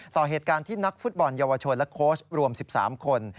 ต่อเหตุการณ์ที่นักฟุตบอลเยาวชนและโค้ชรวม๑๓คน